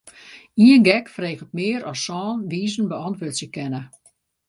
Ien gek freget mear as sân wizen beäntwurdzje kinne.